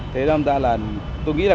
thế ra là tôi nghĩ là